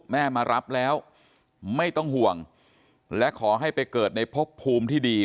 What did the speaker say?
มารับแล้วไม่ต้องห่วงและขอให้ไปเกิดในพบภูมิที่ดี